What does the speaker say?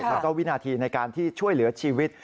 แล้วก็วินาทีในการที่ช่วยเหลือชีวิต